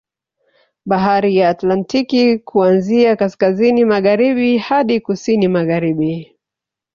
Bahari ya Atlantik kuanzia kaskazini magharibi hadi kusini magaharibi